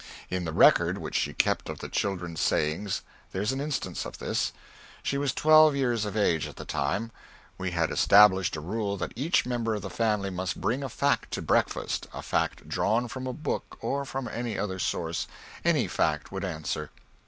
In the Record which we kept of the children's sayings there is an instance of this. She was twelve years old at the time. We had established a rule that each member of the family must bring a fact to breakfast a fact drawn from a book or from any other source; any fact would answer.